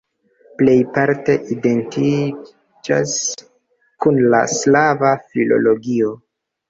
Plejparte identiĝas kun la slava filologio.